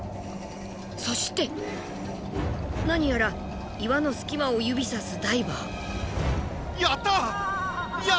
そして何やら岩の隙間を指さすダイバー。